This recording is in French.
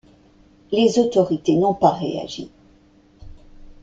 Les autorités n’ont pas réagit.